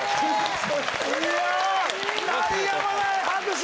いや鳴りやまない拍手！